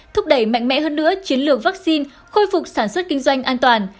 thúc đẩy mạnh mẽ hơn nữa chiến lược vaccine khôi phục sản xuất kinh doanh an toàn